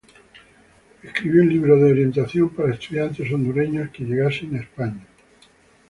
Escribió un libro de orientación para estudiantes hondureños que llegasen a España.